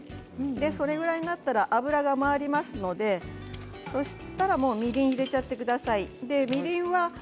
それぐらいになったら油が回りますのでそしたら、みりんを入れちゃってください。